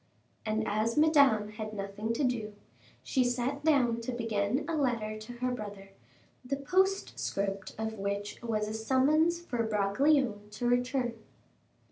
And as Madame had nothing to do, she sat down to begin a letter to her brother, the postscript of which was a summons for Bragelonne to return.